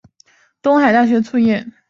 东海大学卒业。